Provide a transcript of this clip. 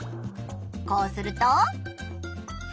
こうすると。